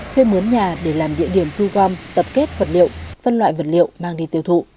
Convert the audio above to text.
thuê muốn nhà để làm địa điểm thu gom tập kết vật liệu phân loại vật liệu mang đi tiêu thụ